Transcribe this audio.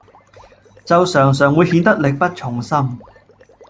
就常常會顯得力不從心